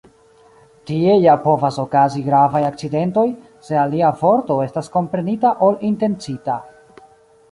Tie ja povas okazi gravaj akcidentoj, se alia vorto estas komprenita ol intencita.